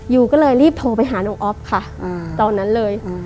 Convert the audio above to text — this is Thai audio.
ยูก็เลยรีบโทรไปหาน้องอ๊อฟค่ะตอนนั้นเลย